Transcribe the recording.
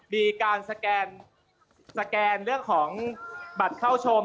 มีการสแกนสแกนเรื่องของบัตรเข้าชม